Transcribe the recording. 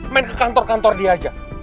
main ke kantor kantor dia aja